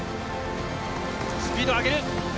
スピードを上げる。